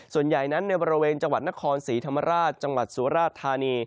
ส่วนใหญ่นั้นในบริเวณจังหวัดนครศรีธรรมราชจังหวัดสุราธานี